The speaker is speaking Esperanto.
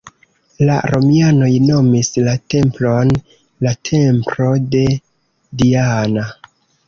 La romianoj nomis la templon la Templo de Diana.